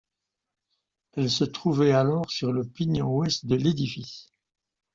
Elle se trouvait alors sur le pignon ouest de l'édifice.